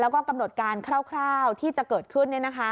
กำหนดการคร่าวที่จะเกิดขึ้น